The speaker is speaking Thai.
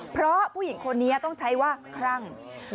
เพราะผู้หญิงคนนี้ต้องใช้ว่าครั่ง